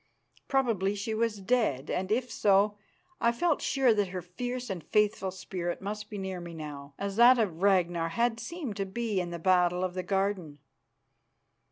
Probably she was dead, and, if so, I felt sure that her fierce and faithful spirit must be near me now, as that of Ragnar had seemed to be in the Battle of the Garden.